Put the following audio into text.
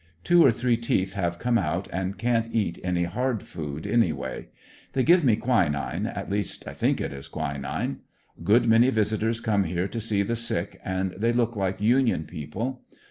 Two or three teeth have come out, and can't eat. any hard food any way, They give me quinine, at least I think it is quinine. Good many visitors come here to see the sick, and they look like union people.